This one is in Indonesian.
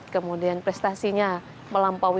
kemudian prestasinya melampaui